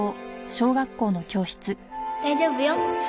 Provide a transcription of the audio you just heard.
大丈夫よ。